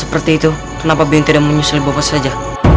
seperti itu kenapa biung tidak menyusul bopat saja